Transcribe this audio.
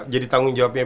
jadi tanggung jawabnya